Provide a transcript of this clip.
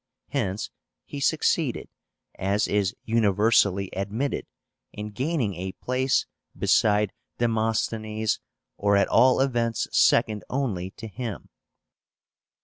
Hence he succeeded, as is universally admitted, in gaining a place beside Demosthenes, or at all events second only to him.